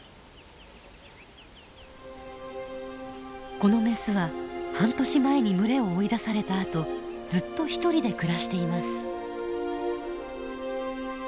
このメスは半年前に群れを追い出されたあとずっと独りで暮らしています。